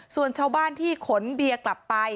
ส่วนชาวบ้านที่ขนเบียร์กลับไป